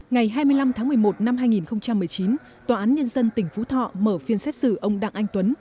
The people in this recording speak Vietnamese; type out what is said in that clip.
ngày hai mươi năm tháng một mươi một năm hai nghìn một mươi chín tòa án nhân dân tỉnh phú thọ mở phiên xét xử ông đặng anh tuấn